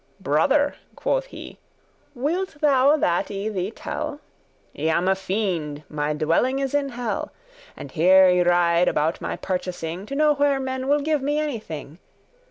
"Brother," quoth he, "wilt thou that I thee tell? I am a fiend, my dwelling is in hell, And here I ride about my purchasing, To know where men will give me any thing.